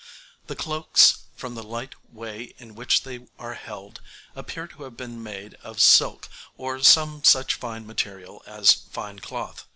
The cloaks, from the light way in which they are held, appear to have been made of silk or some such fine material as fine cloth.